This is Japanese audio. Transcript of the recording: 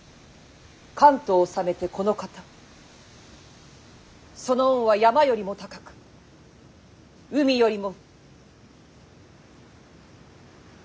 関東を治めてこのかたその恩は山よりも高く海よりも」。